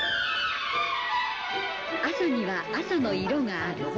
朝には朝の色がある。